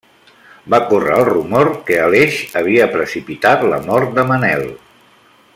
Va córrer el rumor que Aleix havia precipitat la mort de Manel.